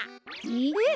えっ？